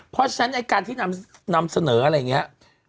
เพราะฉะนั้นการที่นำเสนออะไรเงี้ย